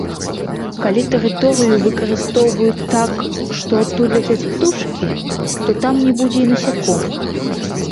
Калі тэрыторыю выкарыстоўваюць так, што адтуль ляцяць птушкі, то там не будзе і насякомых.